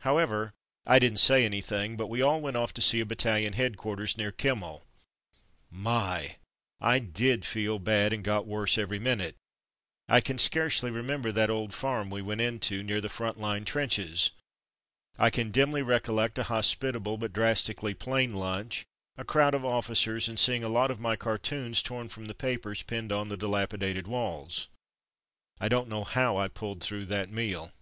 However, I didn't say anything; but we all went off to see a battalion headquarters near Kemmel. My! I did feel bad, and got worse every minute. I can scarcely re member that old farm we went into — near Something Wrong 127 the front line trenches. I can dimly recol lect a hospitable but drastically plain lunch, a crowd of officers, and seeing a lot of my cartoons torn from the papers pinned on the dilapidated walls. I don't know how I pulled through that meal.